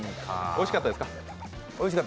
おいしかったですか？